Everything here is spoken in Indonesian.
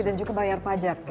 dan juga bayar pajak ya